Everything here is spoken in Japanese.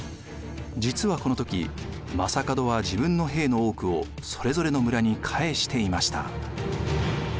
実はこの時将門は自分の兵の多くをそれぞれの村に返していました。